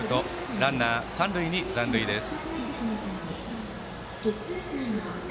ランナー、三塁に残塁です。